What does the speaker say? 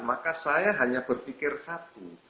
maka saya hanya berpikir satu